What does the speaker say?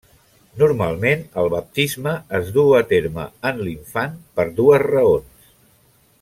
Normalment, el baptisme es duu a terme en l'infant per dues raons.